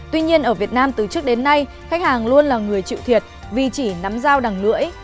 tuy nhiên ở việt nam từ trước đến nay khách hàng luôn là người chịu thiệt vì chỉ nắm giao đằng lưỡi